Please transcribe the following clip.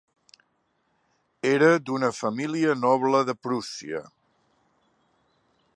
Era d’una família noble de Prússia.